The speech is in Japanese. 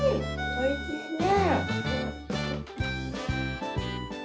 おいしいね。